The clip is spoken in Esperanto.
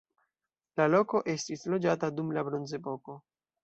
La loko estis loĝata dum la bronzepoko.